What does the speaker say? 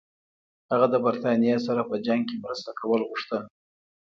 هغه د برټانیې سره په جنګ کې مرسته کول غوښتل.